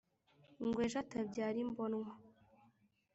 ngo ejo atabyara imbonwa